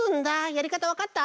やりかたわかった？